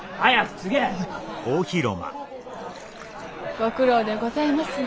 ご苦労でございますね。